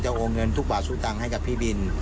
จะโอนเงินทุกบาทสู้ตังให้กับพี่บิน